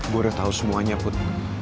gue udah tau semuanya put